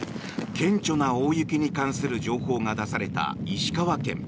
顕著な大雪に関する情報が出された石川県。